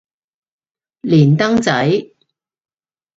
連登仔